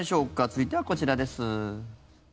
続いてはこちらです。